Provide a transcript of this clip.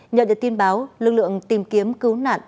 nhờ được tin báo lực lượng tìm kiếm cứu nạn